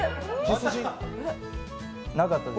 なかったです。